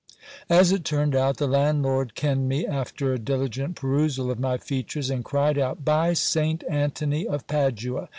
As it turned out, the landlord kenned me after a dili gent perusal of my features, and cried out : By Saint Antony of Padua